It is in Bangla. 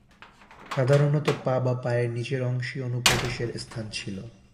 সাধারণত পা বা পায়ের নিচের অংশেই অনুপ্রবেশের স্থান ছিল।